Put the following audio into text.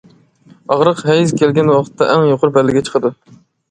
ئاغرىق ھەيز كەلگەن ۋاقىتتا ئەڭ يۇقىرى پەللىگە چىقىدۇ.